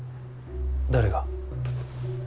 誰が？